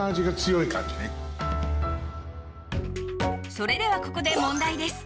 それではここで問題です。